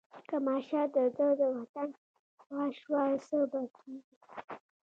که ماشه د ده د وطن خوا شوه څه به کېږي.